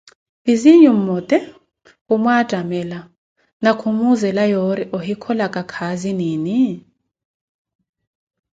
Vizinyu mmote khumwattamela na khumuuzela yoori ohikholaka kaazi niini.